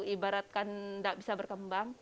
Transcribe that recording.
ibaratkan tidak bisa berkembang